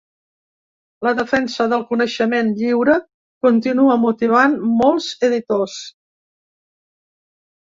La defensa del coneixement lliure continua motivant molts editors.